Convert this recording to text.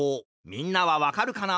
みんなはわかるかな？